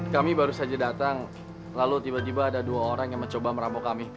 kami baru saja datang lalu tiba tiba ada dua orang yang mencoba merampok kami